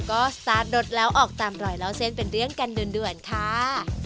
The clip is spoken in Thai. ก็สตาร์ทรถแล้วออกตามรอยเล่าเส้นเป็นเรื่องกันด่วนค่ะ